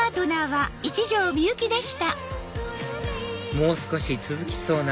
もう少し続きそうな